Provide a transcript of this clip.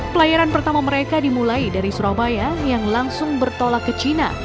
pelayaran pertama mereka dimulai dari surabaya yang langsung bertolak ke china